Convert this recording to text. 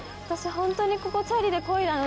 本当にここチャリでこいだの？